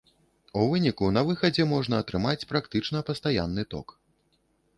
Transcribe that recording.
У выніку на выхадзе можна атрымаць практычна пастаянны ток.